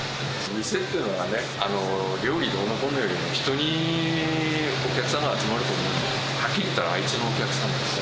店っていうのはね、料理どうのこうのよりも、人にお客さんが集まると思うんで、はっきり言ったら、あいつのお客さんなんですよ。